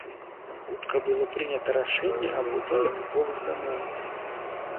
Хутка было прынята рашэнне аб будове тыповых дамоў.